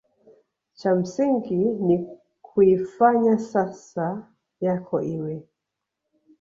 cha msingi ni kuifanya sasa yako iwe